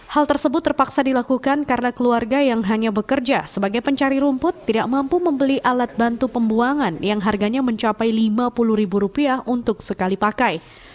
hal tersebut terpaksa dilakukan karena keluarga yang hanya bekerja sebagai pencari rumput tidak mampu membeli alat bantu pembuangan yang harganya mencapai lima puluh ribu rupiah untuk sekali pakai